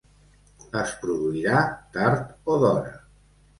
Es produirà tard o d’hora.